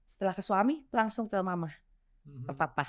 setelah ke suami langsung ke mama ke papa